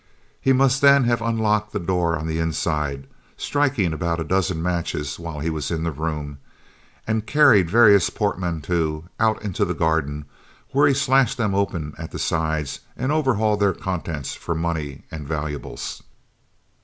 He must then have unlocked the door on the inside, striking about a dozen matches while he was in the room, and carried various portmanteaux out into the garden, where he slashed them open at the sides and overhauled their contents for money and valuables.